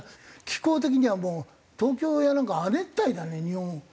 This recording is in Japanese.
気候的にはもう東京やなんかは亜熱帯だね日本もね。